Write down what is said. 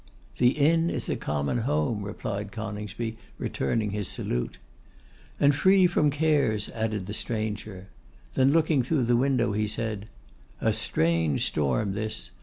'The inn is a common home,' replied Coningsby, returning his salute. 'And free from cares,' added the stranger. Then, looking through the window, he said, 'A strange storm this.